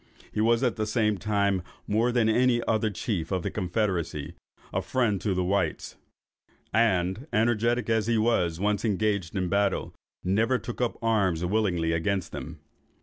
He was, at the same time, more than all the other chiefs of the confederacy, a friend to the whites; and, energetic as he was when once engaged in battle, never took up arms willingly against them.